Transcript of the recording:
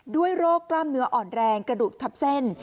โรคกล้ามเนื้ออ่อนแรงกระดูกทับเส้น